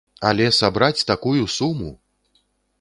Але сабраць такую суму!